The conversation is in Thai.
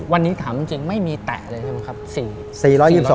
วันนี้ถามจริงไม่มีแตะเลยใช่ไหมครับ